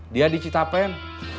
dia di citapeng